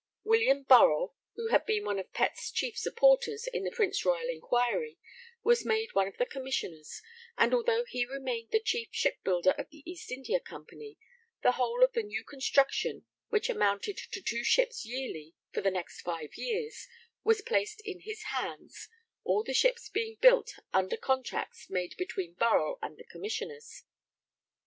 Wm. Burrell, who had been one of Pett's chief supporters in the Prince Royal Inquiry, was made one of the Commissioners, and although he remained the chief shipbuilder of the East India Company, the whole of the new construction, which amounted to two ships yearly for the next five years, was placed in his hands, all the ships being built under contracts made between Burrell and the Commissioners.